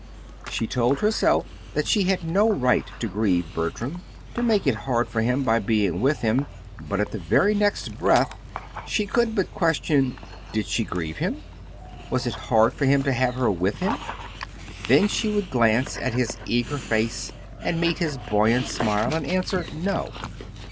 She told herself that she had no right to grieve Bertram, to make it hard for him by being with him; but at the very next breath, she could but question; did she grieve him? Was it hard for him to have her with him? Then she would glance at his eager face and meet his buoyant smile and answer "no."